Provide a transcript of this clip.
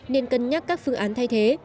nên cân nhắc các phương án thay thế